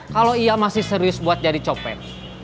kalau ia masih serius buat jadi copet